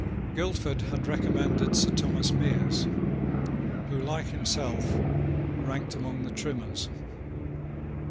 Guildford had recommended Sir Thomas Meres, who, like himself, ranked among the Trimmers.